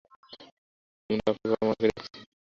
আমরা আপনার বাবা-মাকে ডাকছি।